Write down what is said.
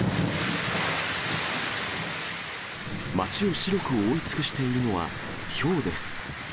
街を白く覆い尽くしているのは、ひょうです。